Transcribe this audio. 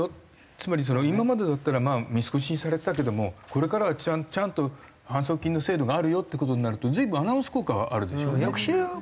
つまり今までだったらまあ見過ごしにされてたけどもこれからはちゃんと反則金の制度があるよって事になると随分アナウンス効果はあるでしょうね。